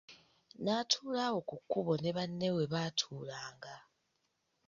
N'atuula awo ku kkubo ne banne we baatuulanga.